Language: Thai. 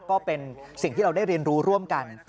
ก็เป็นสิ่งที่เราได้เรียนรู้ร่วมกัน